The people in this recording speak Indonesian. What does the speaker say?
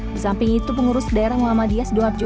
di samping itu pengurus daerah muhammadiyah sidoarjo